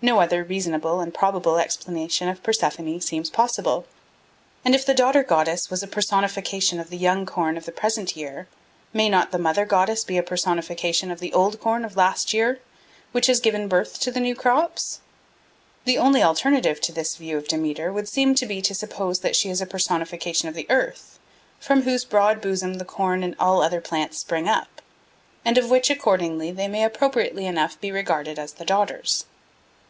No other reasonable and probable explanation of Persephone seems possible. And if the daughter goddess was a personification of the young corn of the present year, may not the mother goddess be a personification of the old corn of last year, which has given birth to the new crops? The only alternative to this view of Demeter would seem to be to suppose that she is a personification of the earth, from whose broad bosom the corn and all other plants spring up, and of which accordingly they may appropriately enough be regarded as the daughters.